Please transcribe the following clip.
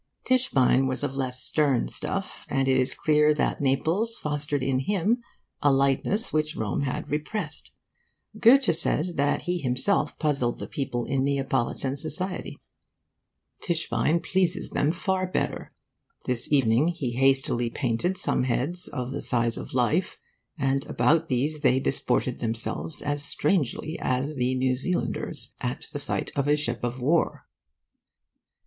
Tischbein was of less stern stuff, and it is clear that Naples fostered in him a lightness which Rome had repressed. Goethe says that he himself puzzled the people in Neapolitan society: 'Tischbein pleases them far better. This evening he hastily painted some heads of the size of life, and about these they disported themselves as strangely as the New Zealanders at the sight of a ship of war.